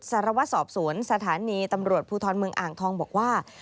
สารวัตรสอบสวนสถานีตำรวจภูทรเมืองอ่างทองบอกว่า